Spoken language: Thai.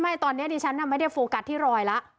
ไม่ตอนนี้นี่ฉันน่ะไม่ได้โฟกัสที่รอยล่ะ